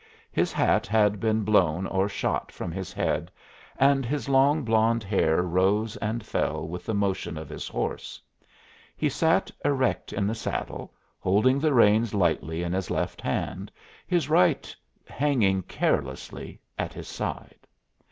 His hat had been blown or shot from his head, and his long, blond hair rose and fell with the motion of his horse. He sat erect in the saddle, holding the reins lightly in his left hand, his right hanging carelessly at his side.